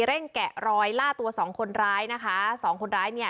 แกะรอยล่าตัวสองคนร้ายนะคะสองคนร้ายเนี่ย